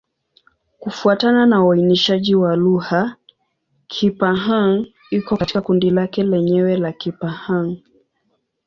Kufuatana na uainishaji wa lugha, Kipa-Hng iko katika kundi lake lenyewe la Kipa-Hng.